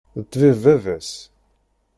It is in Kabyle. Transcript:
D ṭṭbib baba-s?